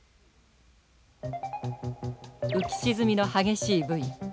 浮き沈みの激しいブイ。